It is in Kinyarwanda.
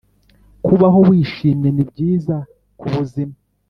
kubaho wishimye ni byiza k’ ubuzima